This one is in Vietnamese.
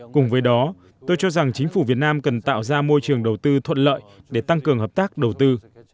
cùng với đó tôi cho rằng chính phủ việt nam cần tạo ra môi trường đầu tư thuận lợi để tăng cường hợp tác đầu tư